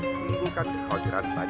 memungkinkan kekhawatiran pada